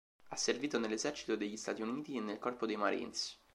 Ha servito nell'esercito degli Stati Uniti e nel corpo dei Marines.